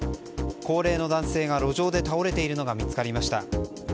高齢の男性が路上で倒れているのが見つかりました。